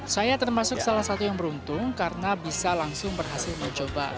saya termasuk salah satu yang beruntung karena bisa langsung berhasil mencoba